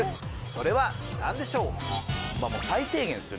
それはなんでしょう？